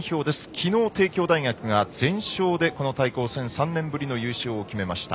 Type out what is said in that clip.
きのう、帝京大学が全勝でこの対抗戦、３年ぶりの優勝を決めました。